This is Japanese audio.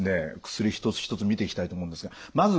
薬一つ一つ見ていきたいと思うんですがまず